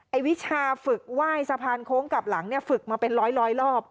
วิชาฝึกไหว้สะพานโค้งกลับหลังเนี่ยฝึกมาเป็นร้อยรอบ